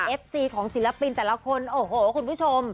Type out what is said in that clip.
เอฟซีของศิลปินแต่ละคนโอ้โหคุณผู้ชม